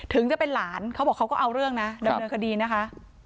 ถึงจะเป็นหลานเขาบอกเขาก็เอาเรื่องนะดำเนินคดีนะคะ